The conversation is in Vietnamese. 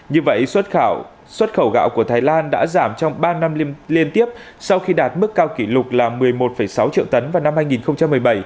như vậy xuất khẩu gạo của thái lan đã giảm trong ba năm liên tiếp sau khi đạt mức cao kỷ lục là một mươi một sáu triệu tấn vào năm hai nghìn một mươi bảy